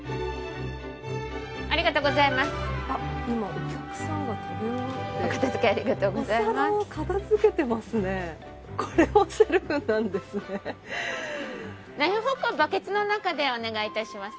ありがとうございます。